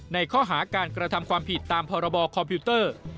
ในข้อหาการกระทำความผิดตามพรบคอมพิวเตอร์